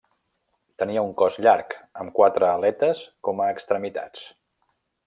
Tenia un cos llarg amb quatre aletes com a extremitats.